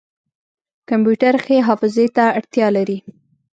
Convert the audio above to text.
کمپیوټر ښې حافظې ته اړتیا لري.